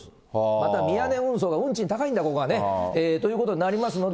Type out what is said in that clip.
またミヤネ運送、運賃高いんだ、ここは。ということになりますので。